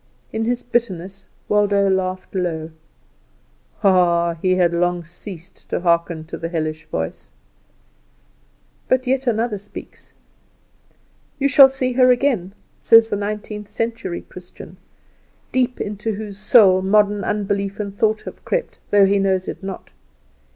In his bitterness Waldo laughed low: Ah, he had long ceased to hearken to the hellish voice. But yet another speaks. "You shall see her again," said the nineteenth century Christian, deep into whose soul modern unbelief and thought have crept, though he knows it not.